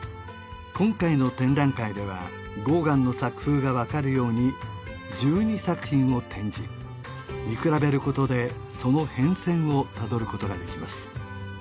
今回の展覧会ではゴーガンの作風が分かるように１２作品を展示見比べることでその変遷をたどることができます